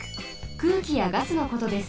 くうきやガスのことです。